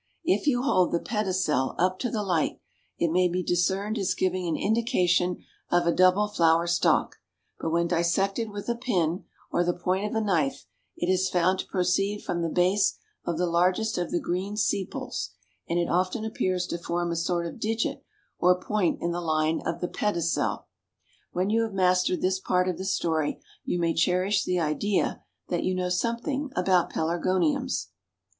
If you hold the pedicel up to the light, it may be discerned as giving an indication of a double flower stalk, but when dissected with a pin or the point of a knife, it is found to proceed from the base of the largest of the green sepals, and it often appears to form a sort of digit or point in the line of the pedicel. When you have mastered this part of the story, you may cherish the idea that you know something about Pelargoniums.